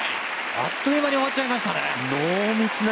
あっという間に終わっちゃいましたね。